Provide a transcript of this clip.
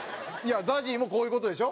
ＺＡＺＹもこういう事でしょ？